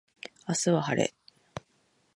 明日は晴れ